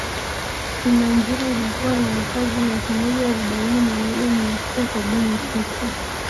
Simanjiro ilikuwa na wakazi laki moja arobaini na moja mia sita sabini na sita